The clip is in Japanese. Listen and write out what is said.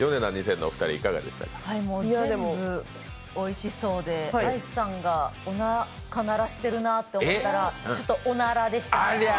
全部おいしそうで、愛さんがおなか鳴らしてるなと思ったらちょっとおならでした。